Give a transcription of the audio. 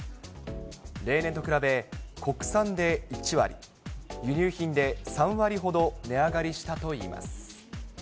例年と比べ、国産で１割、輸入品で３割ほど値上がりしたといいます。